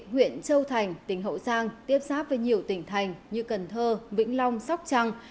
huyện châu thành tỉnh hậu giang tiếp xác với nhiều tỉnh thành như cần thơ vĩnh long sóc trăng